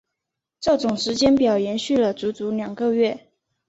这种时间表延续了足足两个月。